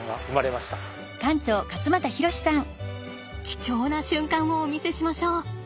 貴重な瞬間をお見せしましょう。